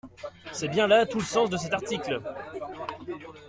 C’est bien là tout le sens de cet article.